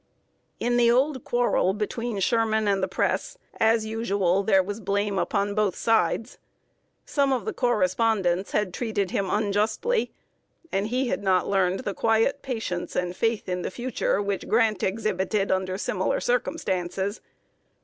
In the old quarrel between Sherman and the Press, as usual, there was blame upon both sides. Some of the correspondents had treated him unjustly; and he had not learned the quiet patience and faith in the future which Grant exhibited under similar circumstances.